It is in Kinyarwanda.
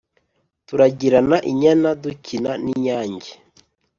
turagirana inyana dukina n’inyange